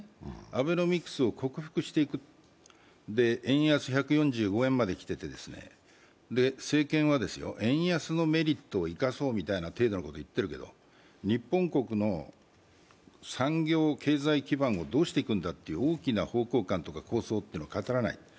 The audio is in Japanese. アベノミクスを克服していく、円安１４５円まできてて政権は円安のメリットを生かそうみたいな体のことを言ってるけど日本国の産業経済基盤をどうしていくんだという大きな方向観とか構想を語らない。